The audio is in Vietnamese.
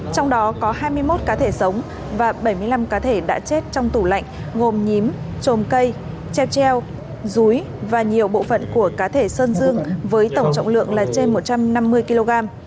trong đó có hai mươi một cá thể sống và bảy mươi năm cá thể đã chết trong tủ lạnh gồm nhím trồm cây treo rúi và nhiều bộ phận của cá thể sơn dương với tổng trọng lượng là trên một trăm năm mươi kg